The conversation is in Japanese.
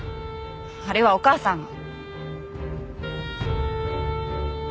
あれはお義母さんが。